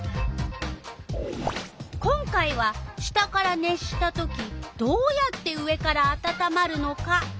今回は「下から熱したときどうやって上からあたたまるのか？」